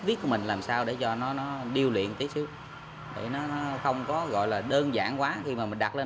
viết của mình làm sao để cho nó điêu luyện tí xíu để nó không có gọi là đơn giản quá khi mà mình đặt lên